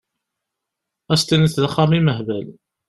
Ad s-tiniḍ d axxam imehbal!